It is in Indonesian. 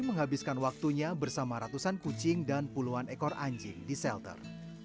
menghabiskan waktunya bersama ratusan kucing dan puluhan ekor anjing di shelter